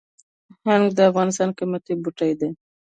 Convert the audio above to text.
هنګ د افغانستان قیمتي بوټی دی